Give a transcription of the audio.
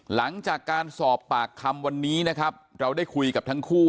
หลังจากการสอบปากคำวันนี้นะครับเราได้คุยกับทั้งคู่